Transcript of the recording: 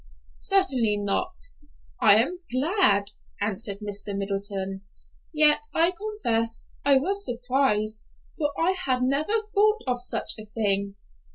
"Certainly not; I am glad," answered Mr. Middleton. "Yet I confess I was surprised, for I had never thought of such a thing.